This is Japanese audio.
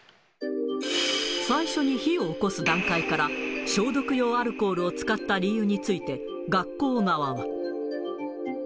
最初に火をおこす段階から、消毒用アルコールを使った理由について、学校側は。